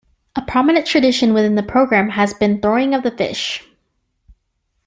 A prominent tradition within the program has been the throwing of the fish.